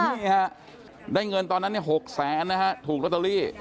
นี่ฮะได้เงินตอนนั้น๖๐๐๐๐๐บาทถูกล็อตเตอรี่